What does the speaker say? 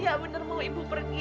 iya bener mau ibu pergi